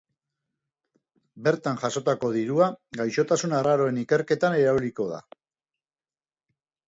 Bertan jasotako dirua gaixotasun arraroen ikerketan erabiliko da.